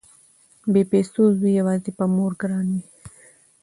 بې پيسو زوی يواځې په مور ګران وي